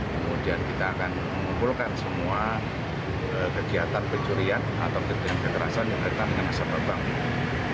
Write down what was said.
kemudian kita akan mengumpulkan semua kegiatan pencurian atau kekerasan yang terjadi dengan masyarakat bank